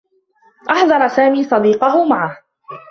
أحضر سامي صديقة معه.